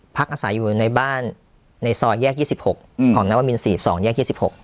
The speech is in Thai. พักอาศัยอยู่ในบ้านในซอยแยกยี่สิบหกอืมของนักว่ามินสี่สองแยกยี่สิบหก